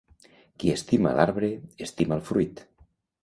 Qui estima l'arbre, estima el fruit.